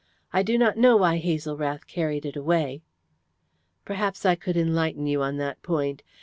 I do not know why Hazel Rath carried it away." "Perhaps I could enlighten you on that point.